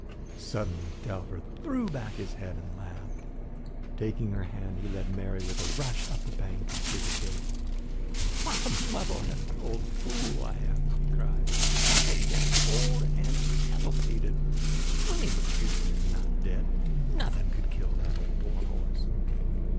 Suddenly Telfer threw back his head and laughed. Taking her hand he led Mary with a rush up the bank and through the gate. "What a muddle headed old fool I am!" he cried. "I am getting old and addle pated! Windy McPherson is not dead! Nothing could kill that old war horse!